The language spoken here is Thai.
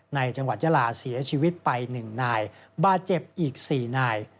ในจังหวัดยาลาเสียชีวิตไป๑นายบาดเจ็บอีก๔นาย